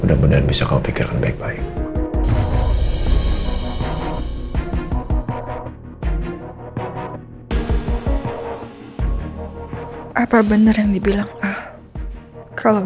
apa kata kata sih sebegitu menurut mama